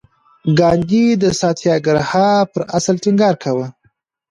ګاندي د ساتیاګراها پر اصل ټینګار کاوه.